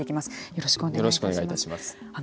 よろしくお願いします。